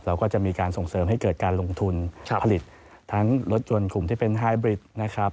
เราก็จะมีการส่งเสริมให้เกิดการลงทุนผลิตทั้งรถยนต์กลุ่มที่เป็นไฮบริดนะครับ